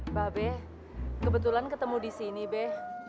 mbak be kebetulan ketemu di sini be